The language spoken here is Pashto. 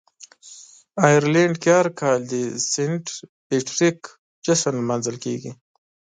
آیرلنډ کې هر کال د "سینټ پیټریک" جشن لمانځل کیږي.